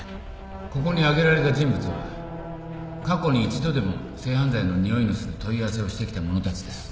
ここに挙げられた人物は過去に一度でも性犯罪のにおいのする問い合わせをしてきた者たちです。